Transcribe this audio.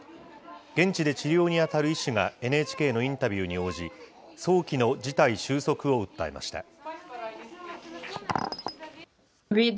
現地で治療に当たる医師がＮＨＫのインタビューに応じ、早期の事態収束を訴えました。